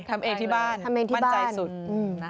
ทำเองที่บ้านมั่นใจสุด